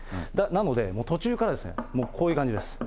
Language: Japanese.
なので、もう途中からこういう感じです。